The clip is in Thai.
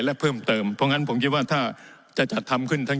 และเพิ่มเติมเพราะงั้นผมคิดว่าถ้าจะจัดทำขึ้นทั้ง